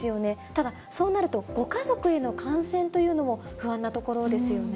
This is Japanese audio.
ただ、そうなると、ご家族への感染というのも不安なところですよね。